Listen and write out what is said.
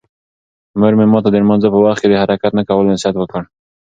مور مې ماته د لمانځه په وخت د حرکت نه کولو نصیحت وکړ.